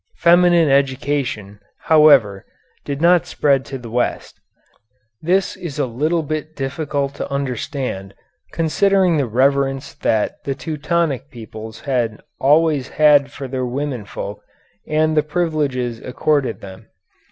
Feminine education, however, did not spread to the West. This is a little bit difficult to understand, considering the reverence that the Teutonic peoples have always had for their women folk and the privileges accorded them.